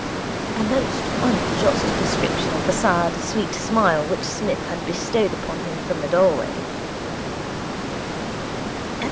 A most unjust description of the sad, sweet smile which Psmith had bestowed upon him from the doorway.